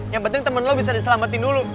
yang penting temen lu bisa diselamatin dulu